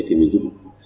thì mình cũng